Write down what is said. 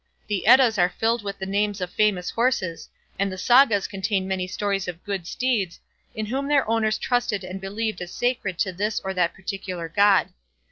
The Eddas are filled with the names of famous horses, and the Sagas contain many stories of good steeds, in whom their owners trusted and believed as sacred to this or that particular god.